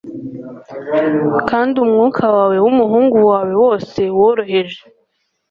kandi umwuka wawe wumuhungu wawe wose woroheje